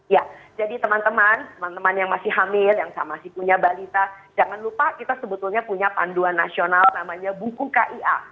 ya jadi teman teman yang masih hamil yang masih punya balita jangan lupa kita sebetulnya punya panduan nasional namanya buku kia